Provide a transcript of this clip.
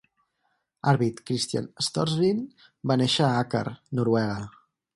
Arvid Kristian Storsveen va néixer a Aker, Noruega.